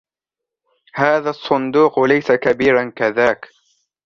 هذا الصندوق ليس كبيرا كذاك.